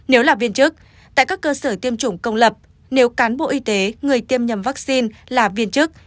nếu là viên chức tại các cơ sở tiêm chủng công lập nếu cán bộ y tế người tiêm nhầm vaccine là viên chức